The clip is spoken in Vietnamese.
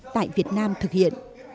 tại việt nam thực hiện